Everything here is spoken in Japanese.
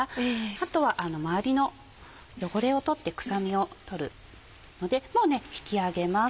あとは周りの汚れを取って臭みを取るのでもう引き上げます。